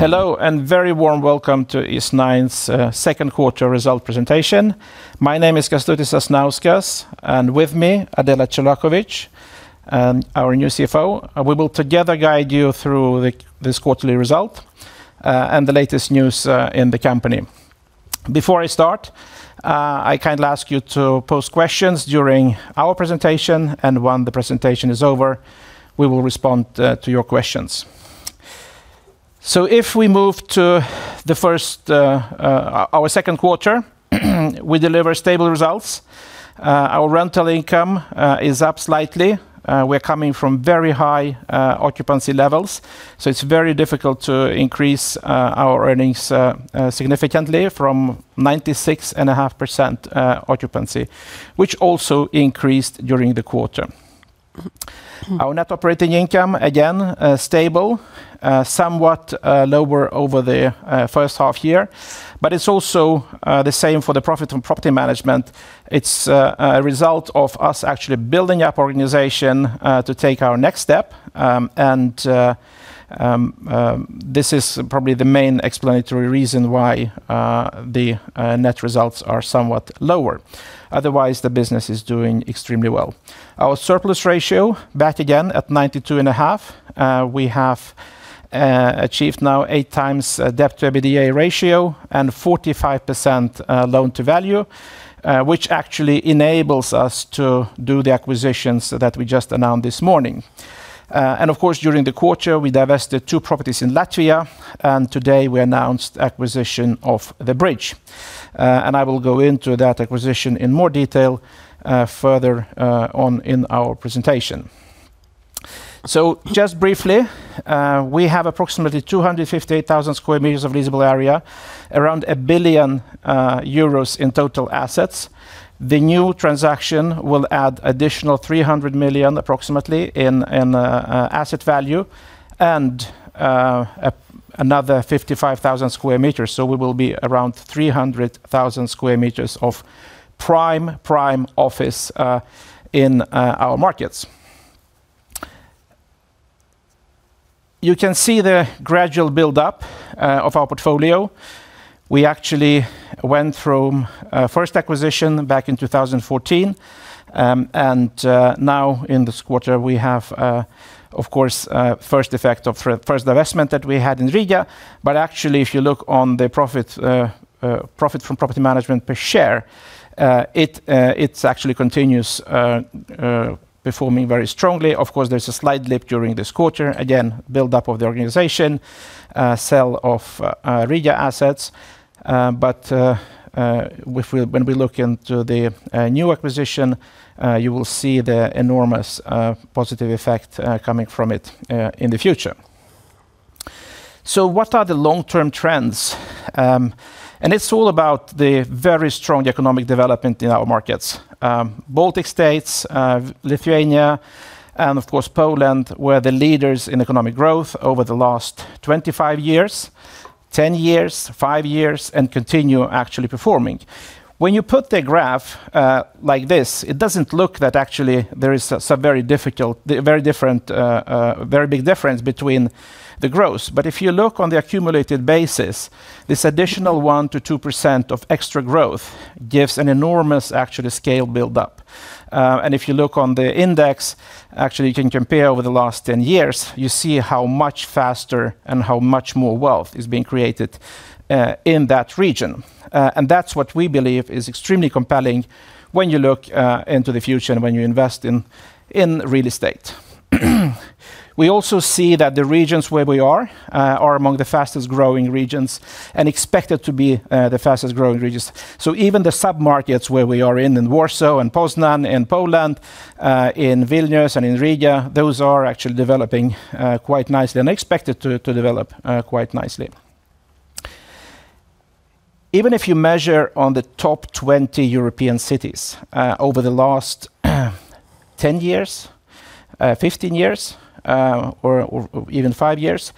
Hello, a very warm welcome to Eastnine's second quarter result presentation. My name is Kestutis Sasnauskas, and with me, Adela Colakovic, our new CFO. We will together guide you through this quarterly result, and the latest news in the company. Before I start, I kindly ask you to pose questions during our presentation, and when the presentation is over, we will respond to your questions. If we move to our second quarter, we deliver stable results. Our rental income is up slightly we're coming from very high occupancy levels, so it's very difficult to increase our earnings significantly from 96.5% occupancy, which also increased during the quarter. Our net operating income, again, stable. Somewhat lower over the first half year. It's also the same for the profit from property management. It's a result of us actually building up our organization to take our next step. This is probably the main explanatory reason why the net results are somewhat lower. Otherwise, the business is doing extremely well. Our surplus ratio, back again at 92.5%. We have achieved now 8x debt to EBITDA ratio, and 45% loan to value, which actually enables us to do the acquisitions that we just announced this morning. Of course, during the quarter, we divested two properties in Latvia, and today we announced the acquisition of The Bridge. I will go into that acquisition in more detail further on in our presentation. Just briefly, we have approximately 258,000m² of leasable area, around 1 billion euros in total assets. The new transaction will add an additional 300 million, approximately, in asset value, and another 55,000m². We will be around 300,000m²of prime office in our markets. You can see the gradual buildup of our portfolio. We actually went from first acquisition back in 2014, and now in this quarter, we have, of course, first divestment that we had in Riga. Actually, if you look on the profit from property management per share, it's actually continuously performing very strongly. Of course, there's a slight dip during this quarter. Again, buildup of the organization, sale of Riga assets. When we look into the new acquisition, you will see the enormous positive effect coming from it in the future. What are the long-term trends, it's all about the very strong economic development in our markets. Baltic States, Lithuania, and of course, Poland, were the leaders in economic growth over the last 25 years, 10 years, five years, and continue actually performing. When you put the graph like this, it doesn't look that actually there is a very big difference between the growth. If you look on the accumulated basis, this additional 1%-2% of extra growth gives an enormous, actually, scale buildup. If you look on the index, actually, you can compare over the last 10 years. You see how much faster and how much more wealth is being created in that region. That's what we believe is extremely compelling when you look into the future and when you invest in real estate. We also see that the regions where we are are among the fastest-growing regions, and expected to be the fastest-growing regions. Even the sub-markets where we are in Warsaw and Poznań in Poland, in Vilnius and in Riga, those are actually developing quite nicely, and are expected to develop quite nicely. Even if you measure on the top 20 European cities over the last 10 years, 15 years, or even five years.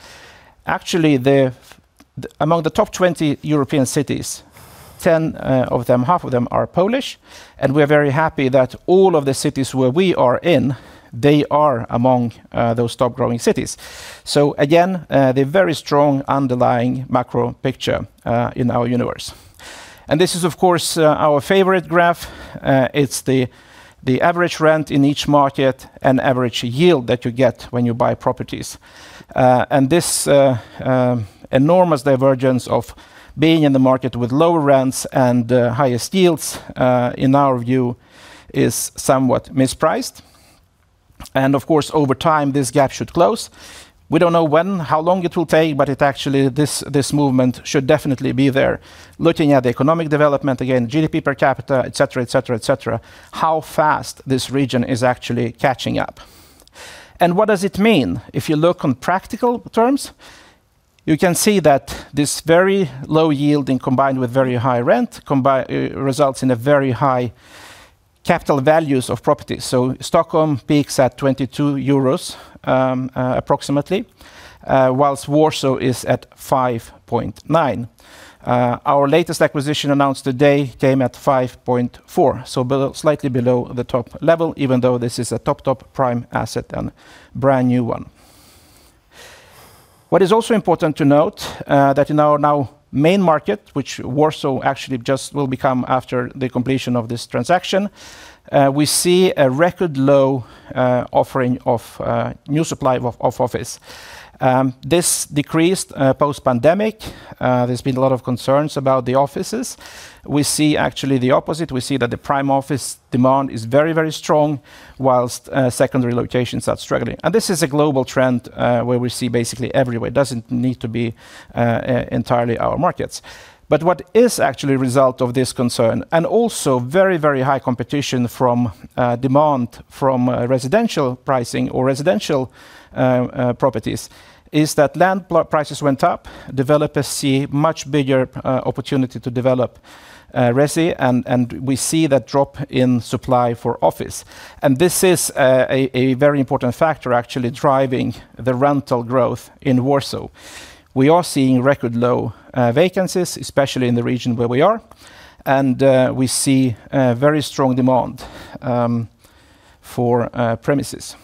Among the top 20 European cities, 10 of them, half of them, are Polish, and we are very happy that all of the cities where we are in, they are among those top growing cities. Again, the very strong underlying macro picture in our universe. This is, of course, our favorite graph. It's the average rent in each market and average yield that you get when you buy properties. This enormous divergence of being in the market with lower rents and the highest yields, in our view, is somewhat mispriced. Of course, over time, this gap should close. We don't know when, how long it will take, but actually, this movement should definitely be there. Looking at economic development, again, GDP per capita, et cetera. How fast this region is actually catching up. What does it mean? If you look in practical terms, you can see that this very low yielding, combined with very high rent, results in very high capital values of properties. Stockholm peaks at 22 euros approximately, whilst Warsaw is at 5.9. Our latest acquisition announced today came at 5.4, slightly below the top level, even though this is a top prime asset, and a brand-new one. What is also important to note, that in our now main market, which Warsaw actually just will become after the completion of this transaction, we see a record low offering of new supply of office. This decreased post-pandemic. There's been a lot of concerns about the offices. We see actually the opposite. We see that the prime office demand is very strong, whilst secondary locations are struggling. This is a global trend where we see basically everywhere. It doesn't need to be entirely our markets. What is actually a result of this concern, and also very high competition from demand from residential pricing or residential properties is that land prices went up. Developers see much bigger opportunity to develop resi, we see that drop in supply for office. This is a very important factor actually driving the rental growth in Warsaw. We are seeing record low vacancies, especially in the region where we are, and we see very strong demand for premises.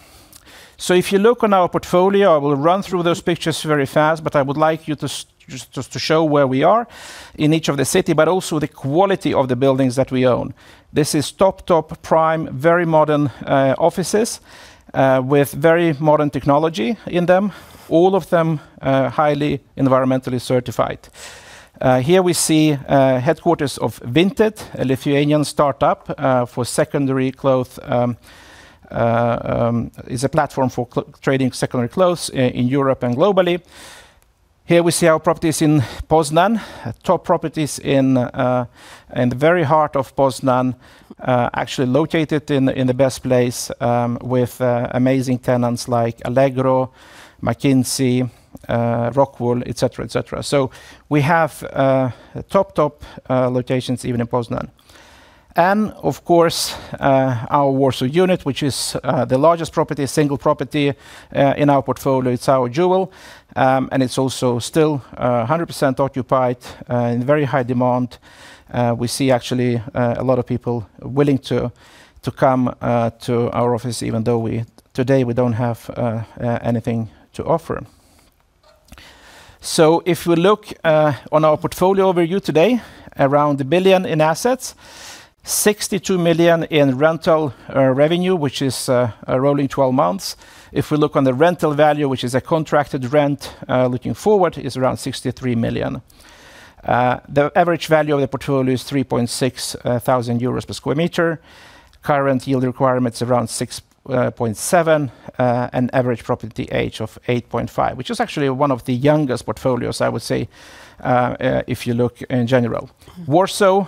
If you look on our portfolio, I will run through those pictures very fast, but I would like just to show where we are in each of the city, but also the quality of the buildings that we own. This is top prime, very modern offices, with very modern technology in them. All of them highly environmentally certified. Here we see headquarters of Vinted, a Lithuanian startup for secondary clothes. It's a platform for trading secondary clothes in Europe and globally. Here we see our properties in Poznań, top properties in the very heart of Poznań, actually located in the best place, with amazing tenants like Allegro, McKinsey, Rockwool, et cetera. We have top locations even in Poznań. Of course, our Warsaw Unit, which is the largest property, single property in our portfolio. It's our jewel it's also still 100% occupied, in very high demand. We see actually, a lot of people willing to come to our office, even though today we don't have anything to offer. If we look on our portfolio overview today, around 1 billion in assets, 62 million in rental revenue, which is rolling 12 months. If we look on the rental value, which is a contracted rent, looking forward is around 63 million. The average value of the portfolio is 3,600 euros per square meter. Current yield requirements around 6.7%, and average property age of 8.5, which is actually one of the youngest portfolios, I would say, if you look in general. Warsaw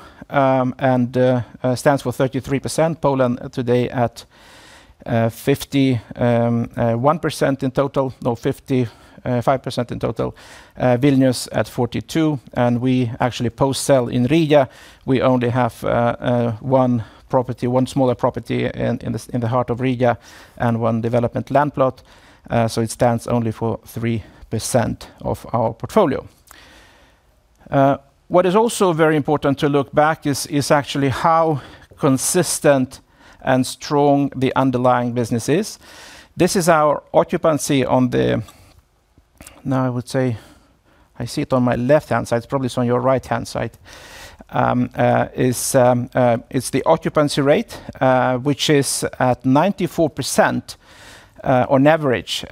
stands for 33%. Poland today at 51% in total. No, 55% in total Vilnius at 42% we actually post sell in Riga. We only have one smaller property in the heart of Riga and one development land plot. It stands only for 3% of our portfolio what is also very important to look back is actually how consistent and strong the underlying business is. This is our occupancy, I would say I see it on my left-hand side it's probably on your right-hand side. It's the occupancy rate, which is at 94% on average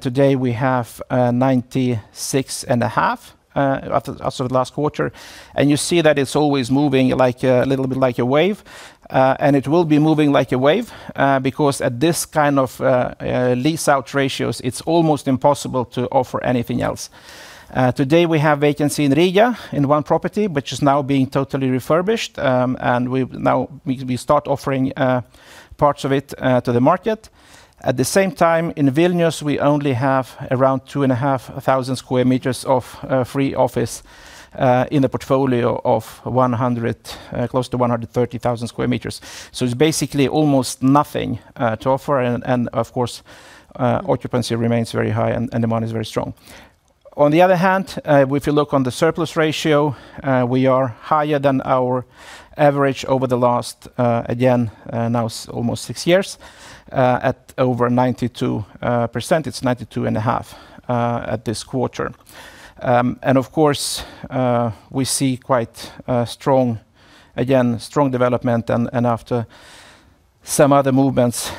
today we have 96.5% as of last quarter. You see that it's always moving a little bit like a wave it will be moving like a wave, because at this kind of lease-out ratios, it's almost impossible to offer anything else. Today we have vacancy in Riga in one property, which is now being totally refurbished. We now start offering parts of it to the market. At the same time, in Vilnius, we only have around 2,500m² of free office in the portfolio of close to 130,000m². It's basically almost nothing to offer, and, of course, occupancy remains very high, and demand is very strong. On the other hand, if you look on the surplus ratio, we are higher than our average over the last, again, now almost six years, at over 92%. It's 92.5% at this quarter. Of course, we see quite, again, strong development, and after some other movements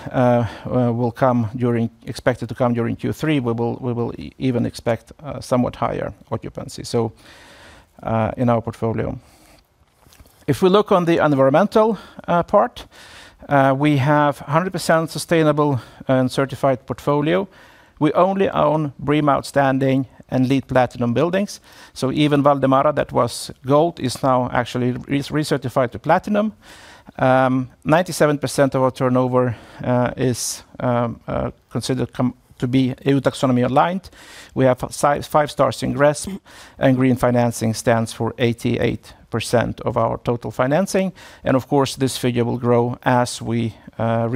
expected to come during Q3, we will even expect somewhat higher occupancy in our portfolio. If we look on the environmental part, we have 100% sustainable and certified portfolio. We only own BREEAM Outstanding and LEED Platinum buildings. Even Valdemara that was gold is now actually recertified to platinum. 97% of our turnover is considered to be EU taxonomy aligned. We have five stars in GRESB. Green financing stands for 88% of our total financing. Of course, this figure will grow as we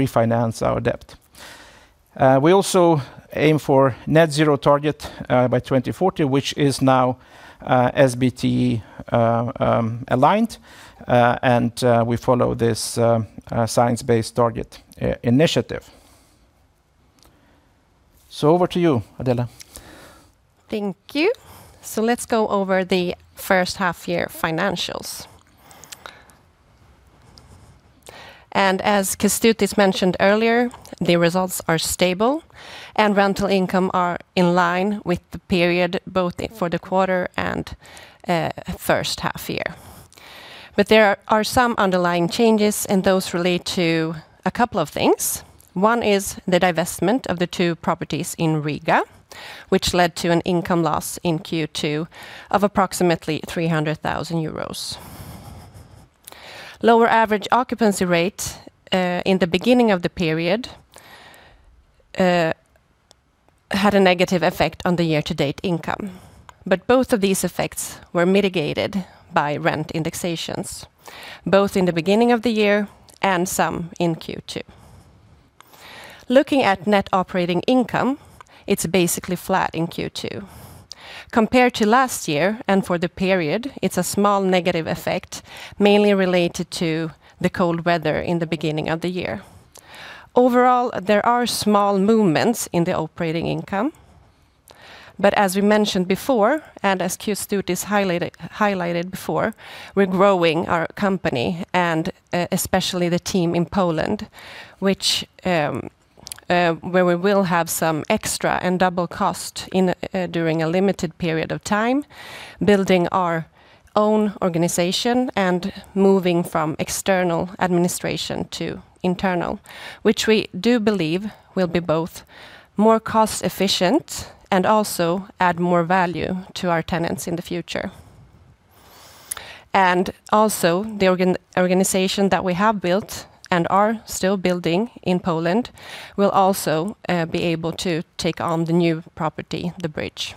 refinance our debt. We also aim for net zero target by 2040, which is now SBT aligned. We follow this Science Based Targets initiative. Over to you, Adela. Thank you. Let's go over the first half year financials. As Kestutis mentioned earlier, the results are stable and rental income are in line with the period, both for the quarter and first half year. There are some underlying changes. Those relate to a couple of things. One is the divestment of the two properties in Riga, which led to an income loss in Q2 of approximately 300,000 euros. Lower average occupancy rate in the beginning of the period had a negative effect on the year-to-date income. Both of these effects were mitigated by rent indexations, both in the beginning of the year and some in Q2. Looking at net operating income, it is basically flat in Q2. Compared to last year and for the period, it is a small negative effect, mainly related to the cold weather in the beginning of the year. Overall, there are small movements in the operating income. As we mentioned before, as Kestutis highlighted before, we are growing our company and especially the team in Poland, where we will have some extra and double cost during a limited period of time, building our own organization and moving from external administration to internal, which we do believe will be both more cost-efficient and also add more value to our tenants in the future. The organization that we have built and are still building in Poland will also be able to take on the new property, The Bridge.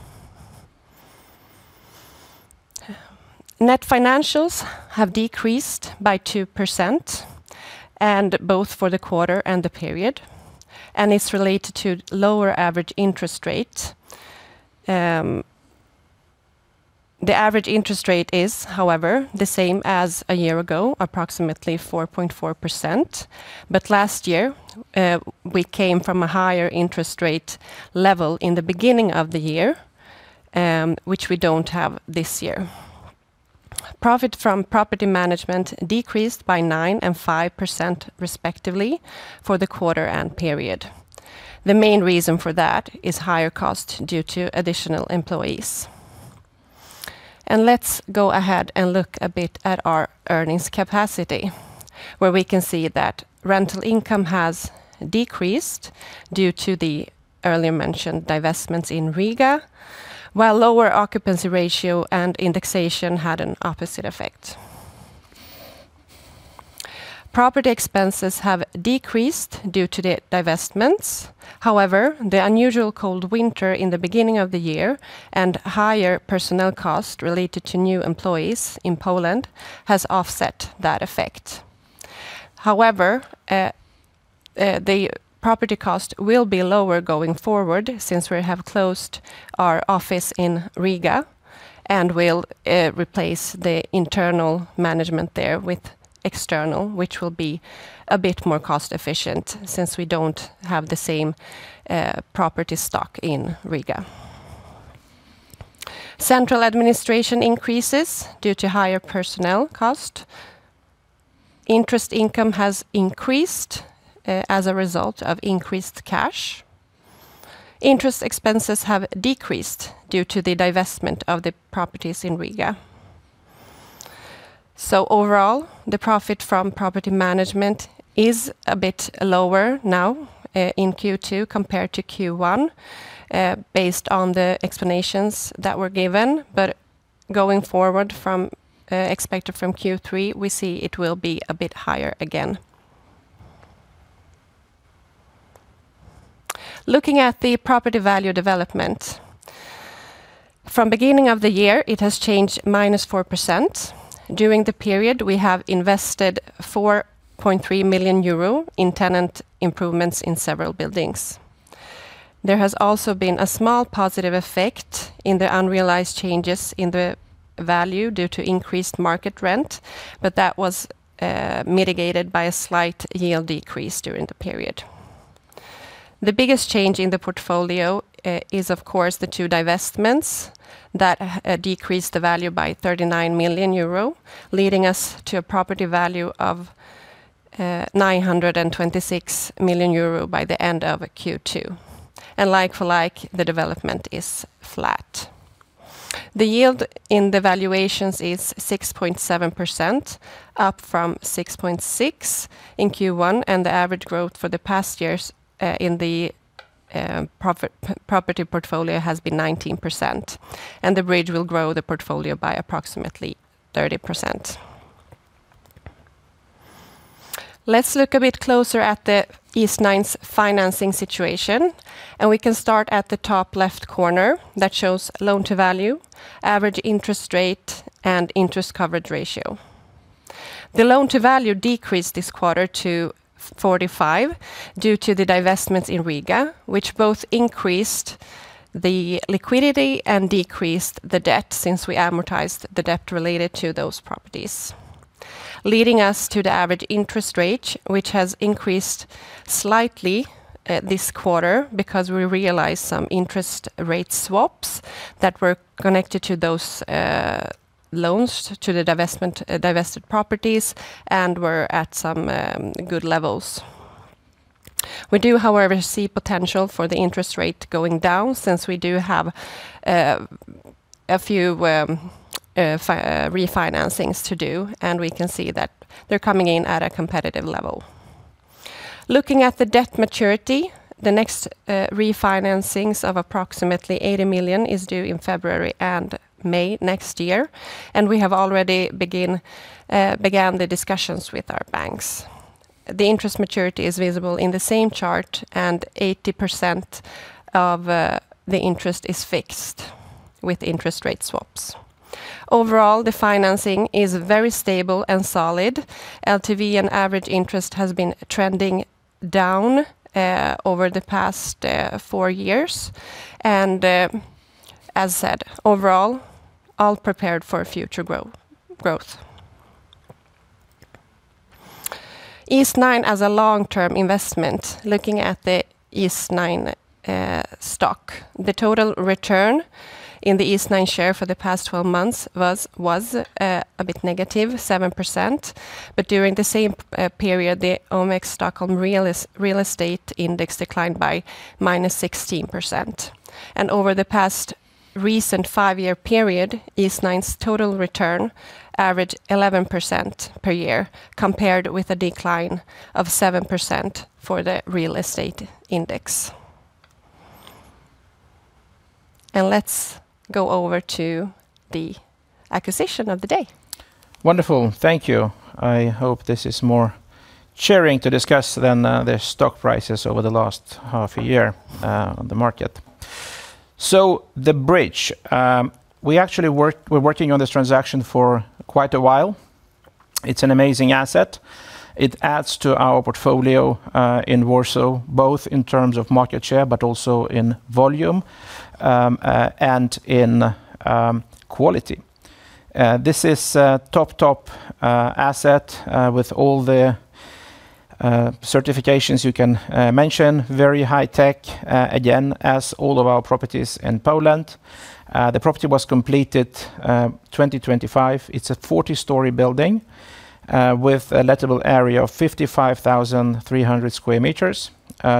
Net financials have decreased by 2% both for the quarter and the period. It is related to lower average interest rate. The average interest rate is, however, the same as a year ago, approximately 4.4%. Last year, we came from a higher interest rate level in the beginning of the year, which we don't Have this year. Profit from property management decreased by 9% and 5% respectively for the quarter and period. The main reason for that is higher cost due to additional employees. Let's go ahead and look a bit at our earnings capacity, where we can see that rental income has decreased due to the earlier mentioned divestments in Riga, while lower occupancy ratio and indexation had an opposite effect. Property expenses have decreased due to the divestments. However, the unusual cold winter in the beginning of the year and higher personnel costs related to new employees in Poland has offset that effect. However, the property cost will be lower going forward since we have closed our office in Riga and will replace the internal management there with external, which will be a bit more cost-efficient since we do not have the same property stock in Riga. Central administration increases due to higher personnel cost. Interest income has increased as a result of increased cash. Interest expenses have decreased due to the divestment of the properties in Riga. Overall, the profit from property management is a bit lower now in Q2 compared to Q1, based on the explanations that were given. Going forward from expected from Q3, we see it will be a bit higher again. Looking at the property value development. From beginning of the year, it has changed -4%. During the period, we have invested 4.3 million euro in tenant improvements in several buildings. There has also been a small positive effect in the unrealized changes in the value due to increased market rent. That was mitigated by a slight yield decrease during the period. The biggest change in the portfolio is, of course, the two divestments that decreased the value by 39 million euro, leading us to a property value of 926 million euro by the end of Q2. Like for like, the development is flat. The yield in the valuations is 6.7%, up from 6.6% in Q1. The average growth for the past years in the property portfolio has been 19%, and The Bridge will grow the portfolio by approximately 30%. Let's look a bit closer at Eastnine's financing situation, and we can start at the top left corner that shows Loan-to-value, average interest rate, and interest coverage ratio. The Loan-to-value decreased this quarter to 45% due to the divestments in Riga, which both increased the liquidity and decreased the debt since we amortized the debt related to those properties. Leading us to the average interest rate, which has increased slightly this quarter because we realized some interest rate swaps that were connected to those loans to the divested properties and were at some good levels. We do, however, see potential for the interest rate going down since we do have a few refinancings to do, and we can see that they're coming in at a competitive level. Looking at the debt maturity, the next refinancings of approximately 80 million is due in February and May next year, and we have already began the discussions with our banks. The interest maturity is visible in the same chart. 80% of the interest is fixed with interest rate swaps. Overall, the financing is very stable and solid. LTV and average interest has been trending down over the past four years. As said, overall, all prepared for future growth. Eastnine as a long-term investment looking at the Eastnine stock the total return in the Eastnine share for the past 12 months was a bit negative, 7%. During the same period, the OMX Stockholm Real Estate index declined by -16%. Over the past recent five-year period, Eastnine's total return averaged 11% per year, compared with a decline of 7% for the real estate index. Let's go over to the acquisition of the day. Wonderful. Thank you. I hope this is more cheering to discuss than the stock prices over the last half a year on the market. The Bridge. We're working on this transaction for quite a while. It's an amazing asset. It adds to our portfolio in Warsaw, both in terms of market share, but also in volume and in quality. This is a top asset with all the certifications you can mention. Very high tech, again, as all of our properties in Poland. The property was completed 2025. It's a 40-story building with a lettable area of 55,300m².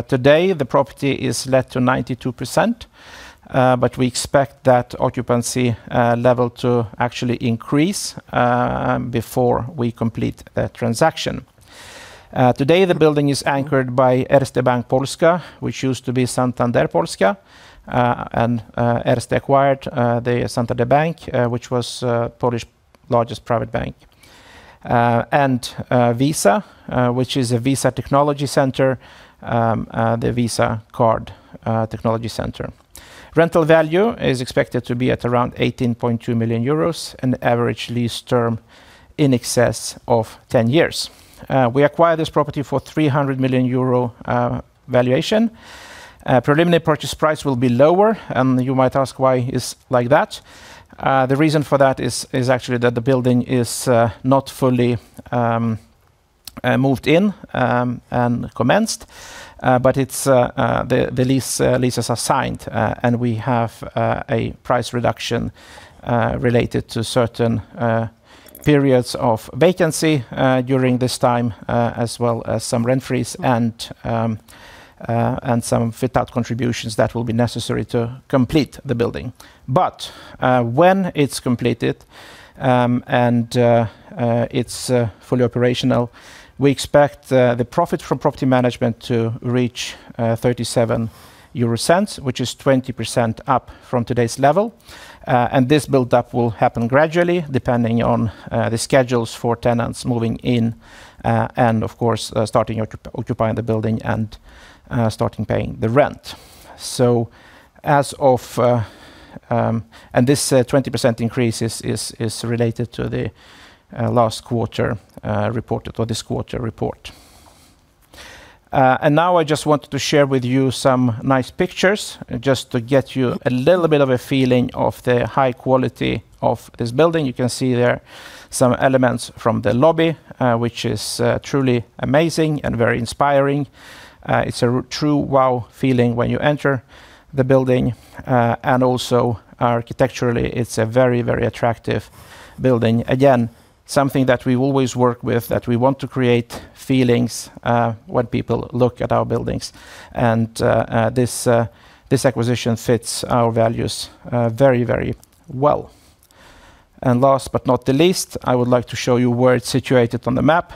Today, the property is let to 92%. We expect that occupancy level to actually increase before we complete the transaction. Today, the building is anchored by Erste Bank Polska, which used to be Santander Polska. Erste acquired the Santander Bank, which was Polish largest private bank. Visa, which is a Visa technology center, the Visa card technology center. Rental value is expected to be at around 18.2 million euros, and the average lease term in excess of 10 years. We acquired this property for 300 million euro valuation. Preliminary purchase price will be lower. You might ask why it's like that. The reason for that is actually that the building is not fully moved in and commenced. The leases are signed, we have a price reduction related to certain periods of vacancy during this time, as well as some rent freeze and some fit-out contributions that will be necessary to complete the building. When it's completed, it's fully operational, we expect the profit from property management to reach 0.37, which is 20% up from today's level. This buildup will happen gradually, depending on the schedules for tenants moving in, of course, starting occupying the building and starting paying the rent. This 20% increase is related to the last quarter report or this quarter report. Now I just wanted to share with you some nice pictures, just to get you a little bit of a feeling of the high quality of this building. You can see there some elements from the lobby, which is truly amazing and very inspiring. It's a true wow feeling when you enter the building. Also architecturally, it's a very attractive building. Again, something that we always work with, that we want to create feelings when people look at our buildings. This acquisition fits our values very well. Last but not the least, I would like to show you where it's situated on the map.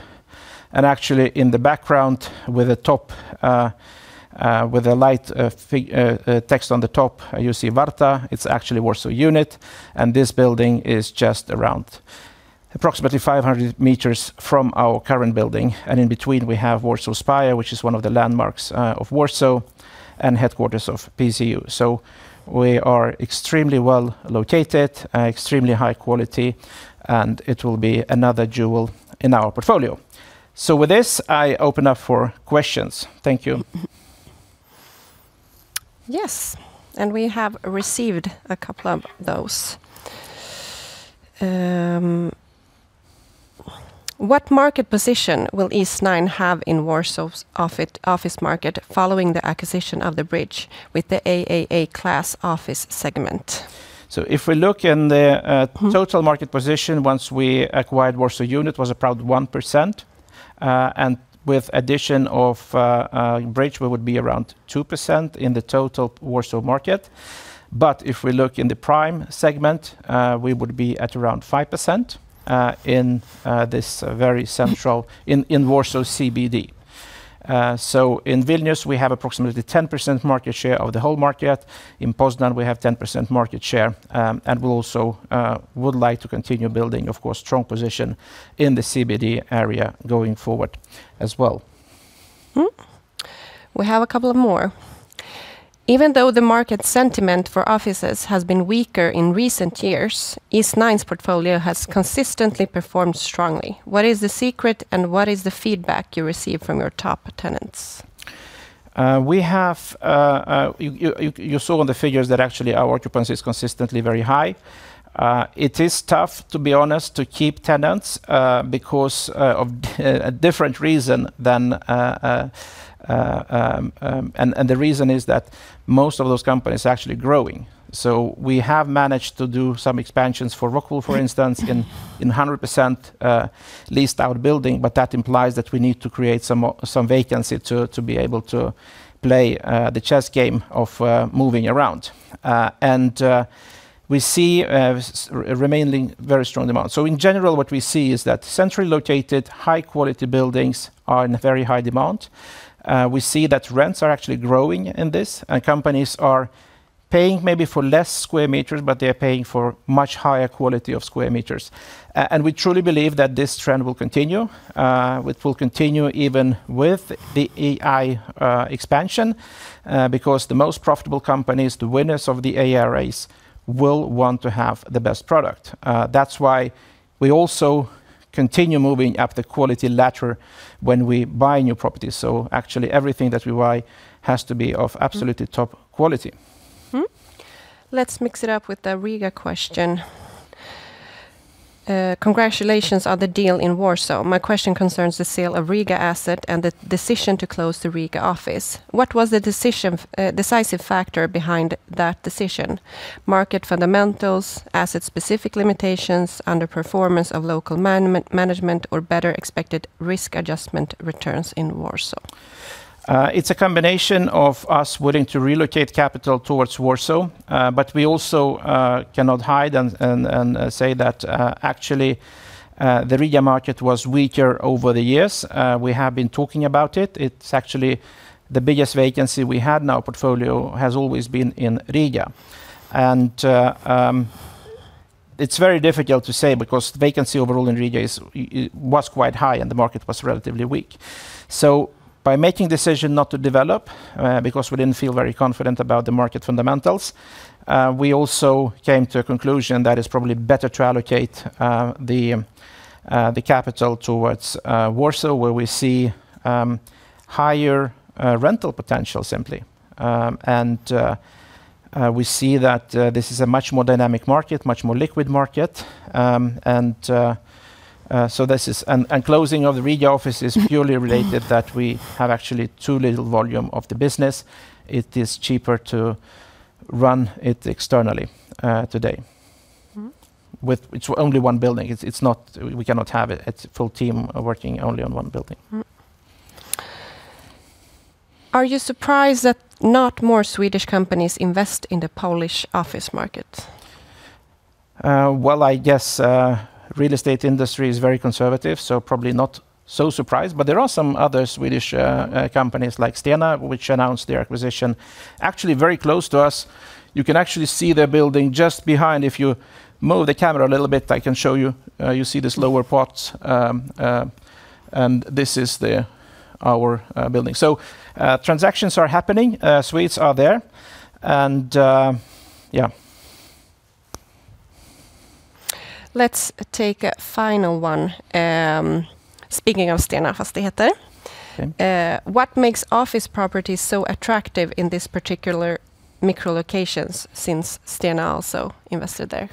Actually, in the background with a light text on the top, you see Warta. It's actually Warsaw Unit, this building is just around approximately 500m from our current building. In between, we have Warsaw Spire, which is one of the landmarks of Warsaw, and headquarters of PZU. We are extremely well located, extremely high quality, it will be another jewel in our portfolio. With this, I open up for questions. Thank you. Yes, we have received a couple of those. What market position will Eastnine have in Warsaw's office market following the acquisition of The Bridge with the AAA class office segment? if we look in the total market position, once we acquired Warsaw Unit was around 1%, and with addition of Bridge, we would be around 2% in the total Warsaw market. if we look in the prime segment, we would be at around 5% in this very central, in Warsaw CBD. in Vilnius, we have approximately 10% market share of the whole market. In Poznań, we have 10% market share. we also would like to continue building, of course, strong position in the CBD area going forward as well. We have a couple of more. Even though the market sentiment for offices has been weaker in recent years, Eastnine's portfolio has consistently performed strongly. What is the secret, and what is the feedback you receive from your top tenants? You saw on the figures that actually our occupancy is consistently very high. It is tough, to be honest, to keep tenants because of a different reason. the reason is that most of those companies are actually growing. we have managed to do some expansions for Rockwool, for instance, in 100% leased out building. that implies that we need to create some vacancy to be able to play the chess game of moving around. we see remaining very strong demand. in general, what we see is that centrally located high-quality buildings are in very high demand. We see that rents are actually growing in this, companies are paying maybe for less square meters, but they're paying for much higher quality of square meters. we truly believe that this trend will continue. It will continue even with the AI expansion, because the most profitable companies, the winners of the AI race, will want to have the best product. That's why we also continue moving up the quality ladder when we buy new properties. actually everything that we buy has to be of absolutely top quality. Let's mix it up with a Riga question. Congratulations on the deal in Warsaw. My question concerns the sale of Riga asset and the decision to close the Riga office. What was the decisive factor behind that decision? Market fundamentals, asset-specific limitations, underperformance of local management, or better expected risk adjustment returns in Warsaw? It's a combination of us wanting to relocate capital towards Warsaw. We also cannot hide and say that actually the Riga market was weaker over the years. We have been talking about it. It's actually the biggest vacancy we had in our portfolio has always been in Riga. It's very difficult to say because vacancy overall in Riga was quite high, and the market was relatively weak. So by making decision not to develop, because we didn't feel very confident about the market fundamentals, we also came to a conclusion that it's probably better to allocate the capital towards Warsaw where we see higher rental potential simply. We see that this is a much more dynamic market, much more liquid market. Closing of the Riga office is purely related that we have actually too little volume of the business. It is cheaper to run it externally today. It's only one building. We cannot have a full team working only on one building. Are you surprised that not more Swedish companies invest in the Polish office market? Well, I guess real estate industry is very conservative, probably not so surprised. There are some other Swedish companies like Stena, which announced their acquisition actually very close to us. You can actually see their building just behind. If you move the camera a little bit, I can show you. You see this lower part, this is our building. Transactions are happening. Swedes are there. Let's take a final one. Speaking of Stena Fastigheter. Okay. What makes office properties so attractive in these particular micro locations since Stena also invested there?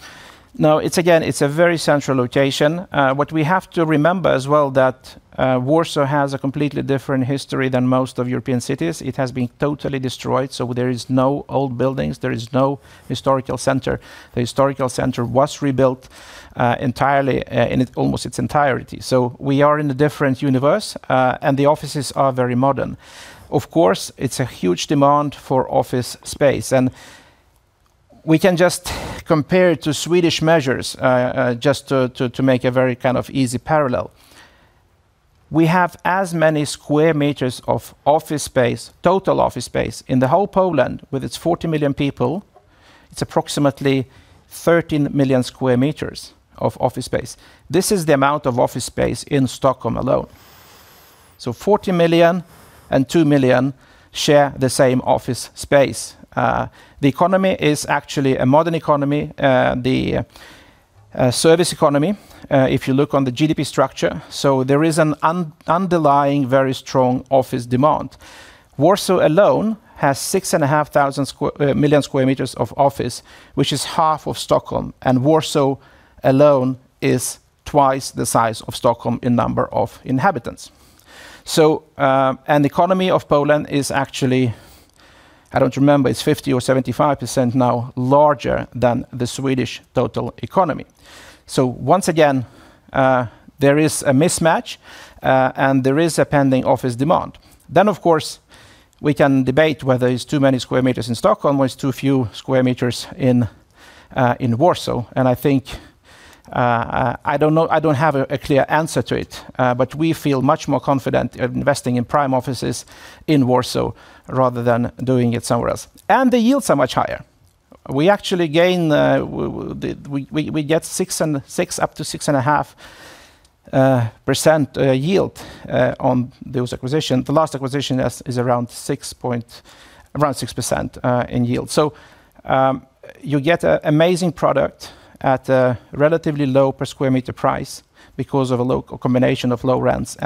Again, it's a very central location. What we have to remember as well, that Warsaw has a completely different history than most of European cities. It has been totally destroyed. There is no old buildings. There is no historical center. The historical center was rebuilt entirely in almost its entirety. We are in a different universe. The offices are very modern. Of course, it's a huge demand for office space. We can just compare it to Swedish measures, just to make a very kind of easy parallel. We have as many square meters of office space, total office space, in the whole Poland with its 40 million people. It's approximately 13 million square meters of office space. This is the amount of office space in Stockholm alone. 40 million and 2 million share the same office space. The economy is actually a modern economy. A service economy, if you look on the GDP structure. There is an underlying very strong office demand. Warsaw alone has 6.5 Million square meters of office, which is half of Stockholm, and Warsaw alone is twice the size of Stockholm in number of inhabitants. The economy of Poland is actually, I don't remember, it's 50% or 75% now larger than the Swedish total economy. Once again, there is a mismatch, and there is a pending office demand. Of course, we can debate whether it's too many square meters in Stockholm or it's too few square meters in Warsaw, and I don't have a clear answer to it. We feel much more confident investing in prime offices in Warsaw rather than doing it somewhere else. The yields are much higher. We get 6% up to 6.5% yield on those acquisitions. The last acquisition is around 6% in yield. You get an amazing product at a relatively low per square meter price because of a combination of low rents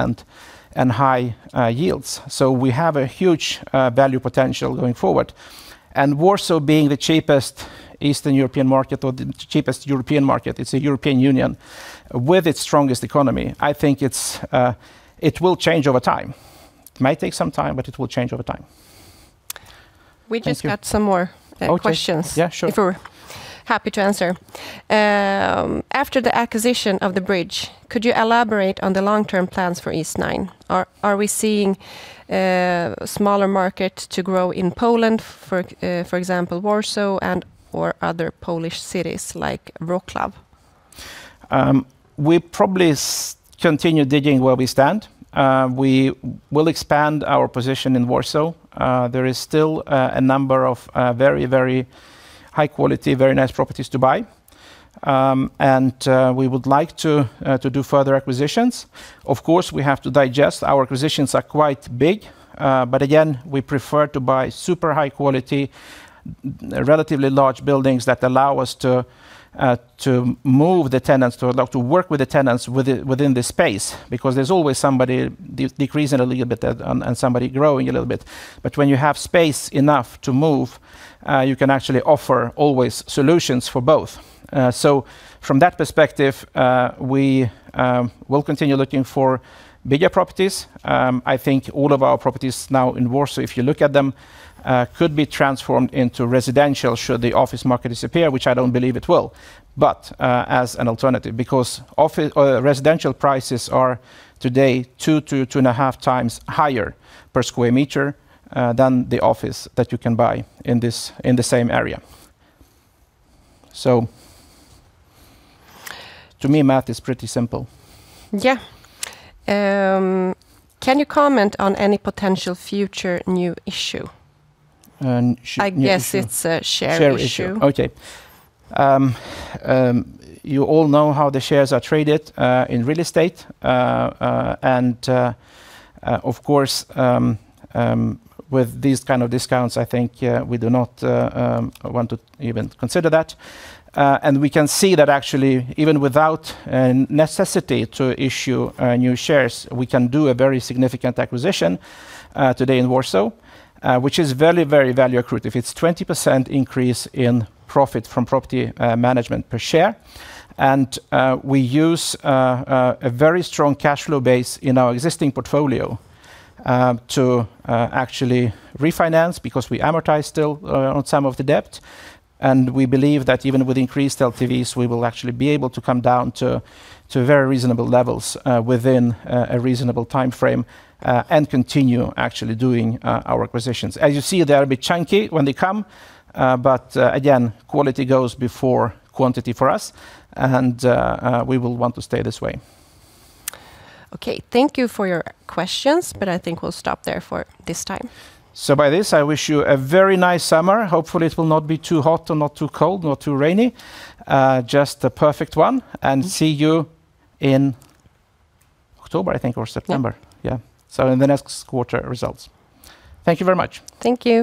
and high yields. We have a huge value potential going forward. Warsaw being the cheapest Eastern European market, or the cheapest European market, it's a European Union with its strongest economy. I think it will change over time. It might take some time, but it will change over time. We just got some more questions- Okay. Yeah, sure If you're happy to answer. After the acquisition of The Bridge, could you elaborate on the long-term plans for Eastnine? Are we seeing a smaller market to grow in Poland, for example, Warsaw and/or other Polish cities like Wroclaw? We probably continue digging where we stand. We will expand our position in Warsaw. There is still a number of very high quality, very nice properties to buy. We would like to do further acquisitions. Of course, we have to digest. Our acquisitions are quite big. Again, we prefer to buy super high quality, relatively large buildings that allow us to work with the tenants within the space, because there's always somebody decreasing a little bit and somebody growing a little bit. When you have space enough to move, you can actually offer always solutions for both. From that perspective, we will continue looking for bigger properties. I think all of our properties now in Warsaw, if you look at them, could be transformed into residential should the office market disappear, which I don't believe it will. As an alternative, because residential prices are today two to two and a half times higher per square meter than the office that you can buy in the same area. To me, math is pretty simple. Yeah. Can you comment on any potential future new issue? New issue. I guess it's a share issue. Share issue. Okay. You all know how the shares are traded in real estate. Of course, with these kind of discounts, I think we do not want to even consider that. We can see that actually even without a necessity to issue new shares, we can do a very significant acquisition today in Warsaw, which is very value accrued. If it's 20% increase in profit from property management per share, and we use a very strong cash flow base in our existing portfolio to actually refinance because we amortize still on some of the debt. We believe that even with increased LTVs, we will actually be able to come down to very reasonable levels within a reasonable timeframe, and continue actually doing our acquisitions. As you see, they are a bit chunky when they come. Again, quality goes before quantity for us, and we will want to stay this way. Thank you for your questions. I think we'll stop there for this time. By this, I wish you a very nice summer. Hopefully it will not be too hot or not too cold, not too rainy. Just the perfect one. See you in October, I think, or September. Yeah. Yeah. In the next quarter results. Thank you very much. Thank you.